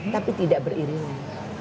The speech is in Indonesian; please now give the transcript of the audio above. tapi tidak beriringan